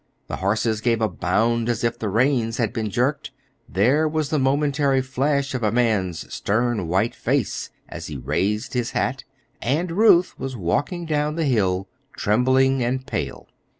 The horses gave a bound as if the reins had been jerked; there was the momentary flash of a man's stern, white face as he raised his hat; and Ruth was walking down the hill, trembling and pale.